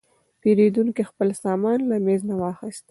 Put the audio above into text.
پیرودونکی خپل سامان له میز نه واخیست.